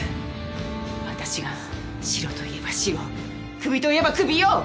私が白といえば白首といえば首よ！